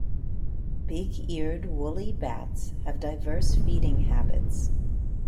Big-Eared Woolly Bats have diverse feeding habits.